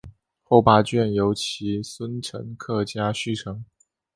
后八卷由其孙陈克家续成。